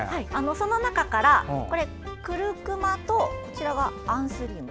その中からクルクマとアンスリウム